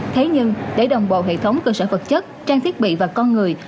thế nhưng để đồng bộ hệ thống cơ sở vật chất trang thiết bị và con người